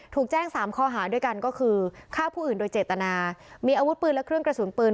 ถูกแจ้ง๓ข้อหาด้วยกันก็คือฆ่าผู้อื่นโดยเจตนามีอาวุธปืนและเครื่องกระสุนปืน